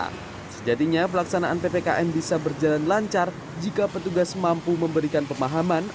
sejatinya pelaksanaan ppkm bisa berjalan lancar jika petugas mampu memberikan pemahaman